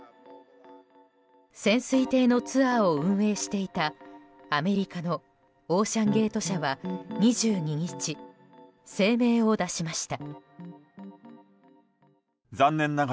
潜水艇のツアーを運営していたアメリカのオーシャン・ゲート社は２２日、声明を出しました。